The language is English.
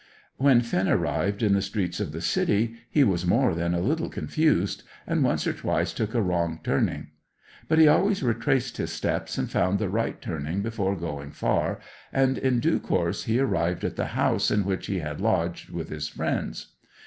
When Finn arrived in the streets of the city he was more than a little confused, and once or twice took a wrong turning. But he always retraced his steps and found the right turning before going far, and in due course he arrived at the house in which he had lodged with his friends.